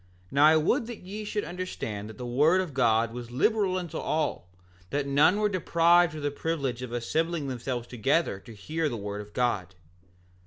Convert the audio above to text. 6:5 Now I would that ye should understand that the word of God was liberal unto all, that none were deprived of the privilege of assembling themselves together to hear the word of God.